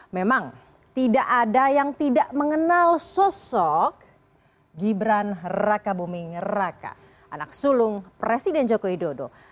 memang tidak ada yang tidak mengenal sosok gibran raka buming raka anak sulung presiden joko widodo